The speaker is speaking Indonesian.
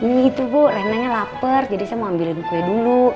gitu bu renanya lapar jadi saya mau ambilin kue dulu